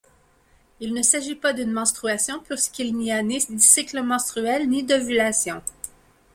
Il ne s'agit pas d'une menstruation puisqu'il n'y a ni cycle menstruel ni d'ovulation.